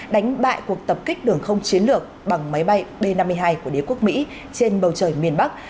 đánh bại cuộc tập kích đường không chiến lược bằng máy bay b năm mươi hai của đế quốc mỹ trên bầu trời miền bắc